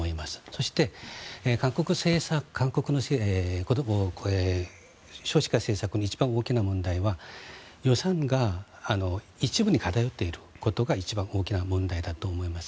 そして韓国の少子化政策の一番大きな問題は予算が一部に偏っていることが一番大きな問題だと思います。